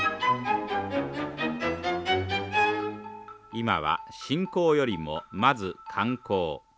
今は信仰よりもまず観光。